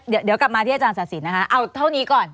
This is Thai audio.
เดี๋ยวกลับมาที่อาจารย์ศาสินนะคะเอาเท่านี้ก่อน